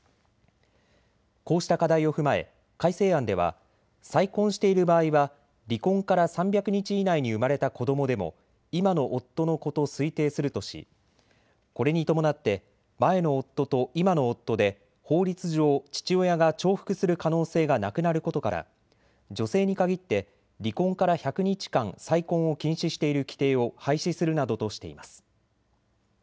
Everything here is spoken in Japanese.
こうした課題を踏まえ改正案では再婚している場合は離婚から３００日以内に生まれた子どもでも今の夫の子と推定するとしこれに伴って前の夫と今の夫で法律上、父親が重複する可能性がなくなることから女性に限って離婚から１００日間再婚を禁止している規定を廃止するなどとしています。